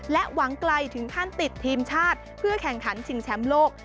หวังไกลถึงขั้นติดทีมชาติเพื่อแข่งขันชิงแชมป์โลก